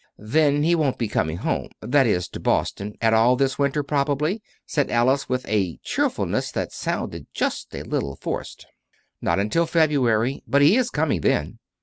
"Then he won't be coming home that is, to Boston at all this winter, probably," said Alice, with a cheerfulness that sounded just a little forced. "Not until February. But he is coming then.